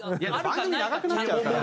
番組長くなっちゃうから。